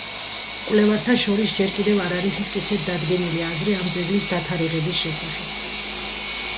მკვლევართა შორის ჯერ კიდევ არ არის მტკიცედ დადგენილი აზრი ამ ძეგლის დათარიღების შესახებ.